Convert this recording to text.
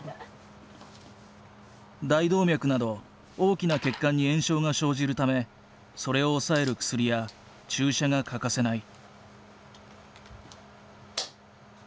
大動脈など大きな血管に炎症が生じるためそれを抑える薬や注射が欠かせない。